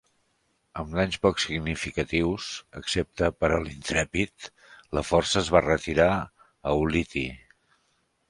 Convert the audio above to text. Amb danys poc significatius, excepte per a l'"Intrepid", la força es va retirar a Ulithi.